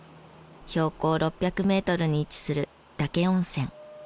標高６００メートルに位置する岳温泉。